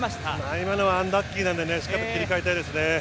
今のはアンラッキーなのでしっかり切り替えたいですね。